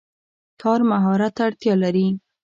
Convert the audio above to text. کار مهارت ته اړتیا لري.